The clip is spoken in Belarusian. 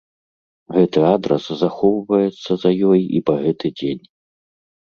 Гэты адрас захоўваецца за ёй і па гэты дзень.